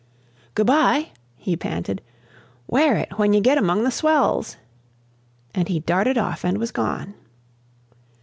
"Good bye!" he panted. "Wear it when ye get among the swells." And he darted off and was gone.